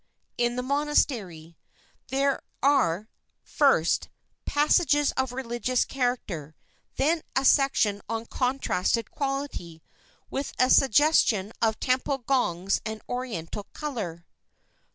IN THE MONASTERY (There are, first, passages of religious character; then a section of contrasted quality, with a suggestion of temple gongs and Oriental color.)